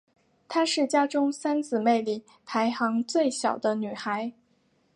她是家中三姊妹里排行最小的女孩。